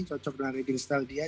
cocok dengan reading style dia